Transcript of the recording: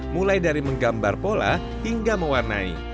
mulai dari menggambar pola hingga mewarnai